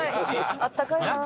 あったかいな。